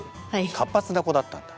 活発な子だったんだ。